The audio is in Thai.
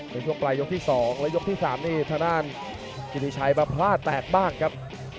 ในช่วงปลายยกที่๒และยกที่๓นี่ทางด้านกิติชัยมาพลาดแตกบ้างครับ